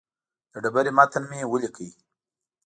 د ډبرې متن مې ولیکه.